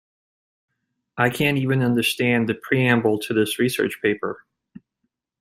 I can’t even understand the preamble to this research paper.